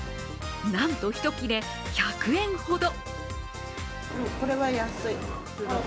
なんと、１切れ１００円ほど。